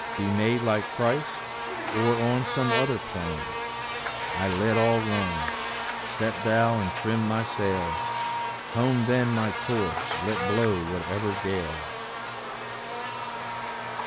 Be made like Christ, or on some other plan? I let all run: set thou and trim my sails; Home then my course, let blow whatever gales.